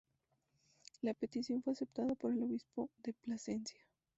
La petición fue aceptada por el obispo de Plasencia.